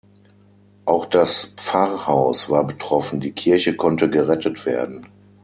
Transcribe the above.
Auch das Pfarrhaus war betroffen, die Kirche konnte gerettet werden.